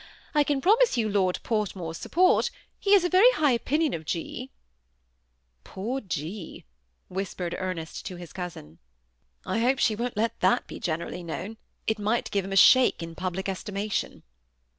I can promise you Lord Portmore's support ; he has a very high opinion of 6." " Poor G. !" whispered Ernest to his cousin. " I hope she won't let that be generally known ; it might give him a shake in public estimation."